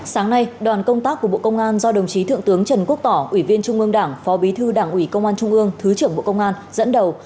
sáng nay đoàn công tác của bộ công an do đồng chí thượng tướng trần quốc tỏ ủy viên trung ương đảng phó bí thư đảng ủy công an trung ương thứ trưởng bộ công an dẫn đầu